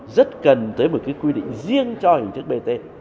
rất cần tới một cái quy định riêng cho hình thức bt